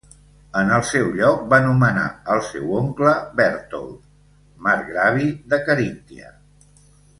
En el seu lloc va nomenar al seu oncle Bertold, marcgravi de Caríntia.